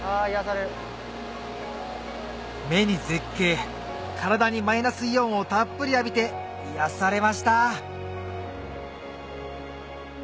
目に絶景体にマイナスイオンをたっぷり浴びて癒やされました